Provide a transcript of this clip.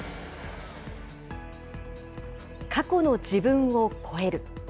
過去の自分を超える。